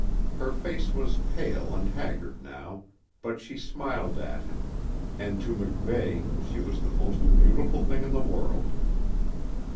Her face was pale and haggard now, but she smiled at him, and to MacVeigh she was the most beautiful thing in the world.